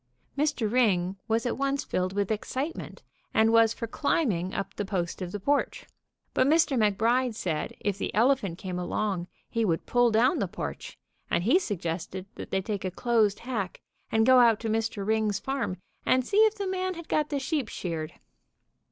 Mr. Ring was at once filled with excitement, and was for climb ing up the post of the porch, but Mr. McBride said if the elephant came along he would pull down the porch, and he suggested that they take a closed hack and go out to Mr. Ring's farm and see if the man had got the sheep sheared.